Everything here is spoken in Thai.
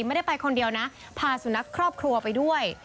ไม่ได้ไปคนเดียวนะพาสุนัขครอบครัวไปด้วย